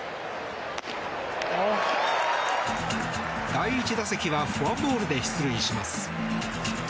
第１打席はフォアボールで出塁します。